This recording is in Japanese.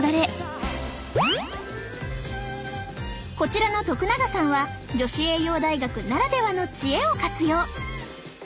こちらの徳永さんは女子栄養大学ならではの知恵を活用！